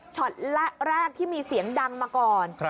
แรกที่มีเสียงดังมาก่อน